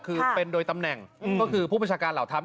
คือเป็นโดยตำแหน่งก็คือผู้บัญชาการเหล่าทัพ